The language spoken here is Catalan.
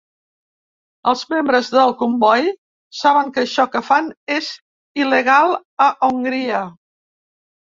Els membres del comboi saben que això que fan és il·legal a Hongria.